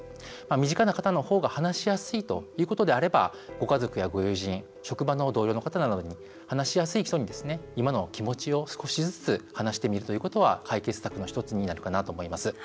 身近な方のほうが話しやすいということであればご家族やご友人職場の同僚の方などに話しやすい人に、今の気持ちを少しずつ話してみるということは解決策の１つになるかなと思います。